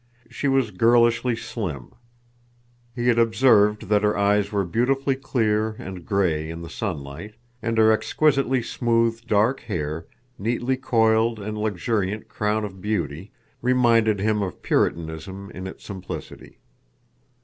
She was girlishly slim. He had observed that her eyes were beautifully clear and gray in the sunlight, and her exquisitely smooth dark hair, neatly coiled and luxuriant crown of beauty, reminded him of puritanism in its simplicity.